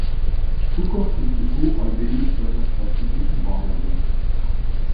Zucker könnte so allmählich zu einer strategischen Ware werden.